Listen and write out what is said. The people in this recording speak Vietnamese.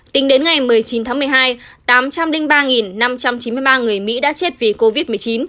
tính đến ngày một mươi chín tháng một mươi hai tám trăm linh ba năm trăm chín mươi ba người mỹ đã chết vì covid một mươi chín